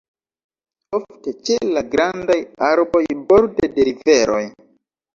Ofte ĉe la grandaj arboj borde de riveroj.